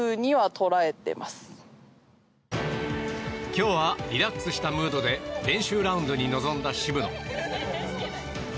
今日はリラックスしたムードで練習ラウンドに臨んだ渋野。